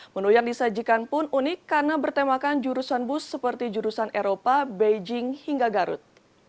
menu yang disajikan pun unik karena bertemakan jurusan bus seperti jurusan eropa beijing hingga garut